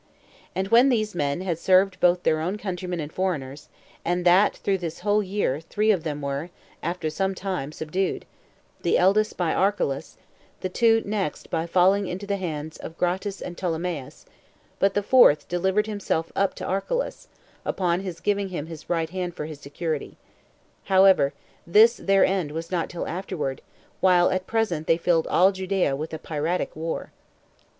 And when these men had thus served both their own countrymen and foreigners, and that through this whole war, three of them were, after some time, subdued; the eldest by Archelaus, the two next by falling into the hands of Gratus and Ptolemeus; but the fourth delivered himself up to Archelaus, upon his giving him his right hand for his security. However, this their end was not till afterward, while at present they filled all Judea with a piratic war.